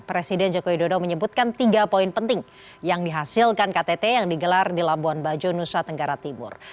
presiden joko widodo menyebutkan tiga poin penting yang dihasilkan ktt yang digelar di labuan bajo nusa tenggara tibur